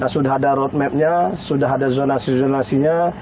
sudah ada road map nya sudah ada zonasi zonasi nya